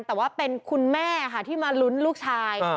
แต่ว่าเป็นคุณแม่ค่ะที่มาลุ้นลูกชาย